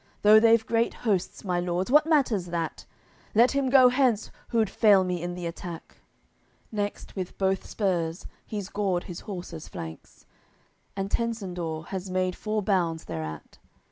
Though they've great hosts, my lords, what matters that? Let him go hence, who'ld fail me in the attack." Next with both spurs he's gored his horse's flanks, And Tencendor has made four bounds thereat.